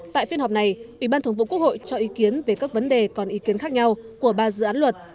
tại phiên họp này ủy ban thường vụ quốc hội cho ý kiến về các vấn đề còn ý kiến khác nhau của ba dự án luật